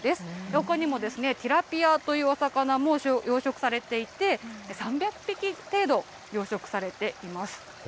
ほかにもティラピアというお魚も養殖されていて、３００匹程度、養殖されています。